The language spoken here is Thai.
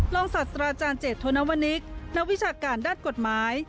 รองศาสตราอาจารย์เจษฐนวณิกษ์และวิชาการด้านกฎหมาย